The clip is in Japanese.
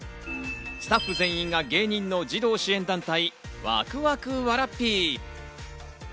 スタッフ全員が芸人の児童支援団体・わくわくわらっぴー。